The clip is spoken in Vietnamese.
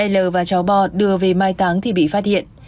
l và cháu bò đưa về mai táng thì bị phát hiện